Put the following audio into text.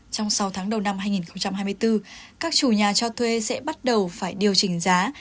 trong sáu tháng đầu năm hai nghìn hai mươi bốn các chủ nhà cho thuê sẽ bắt đầu phải điều chỉnh giá